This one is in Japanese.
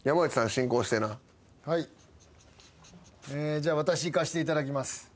じゃあ私いかせていただきます。